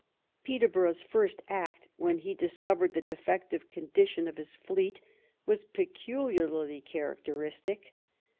Peterborough's first act when he discovered the defective condition of his fleet was peculiarly char acteristic.